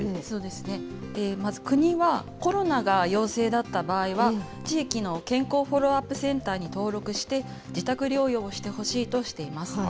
まず国は、コロナが陽性だった場合は、地域の健康フォローアップセンターに登録して、自宅療養をしてほしいとしています。